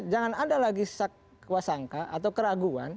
jangan ada lagi sakwasangka atau keraguan